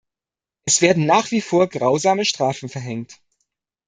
Es werden nach wie vor grausame Strafen verhängt.